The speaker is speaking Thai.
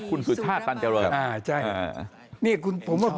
คุณสุมศ้าธรรมยังโกรธ